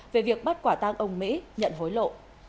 về việc bắt quả tang ông mỹ nhận hối lộ